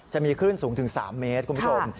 จะมีคลื่นสูงถึง๓เมตร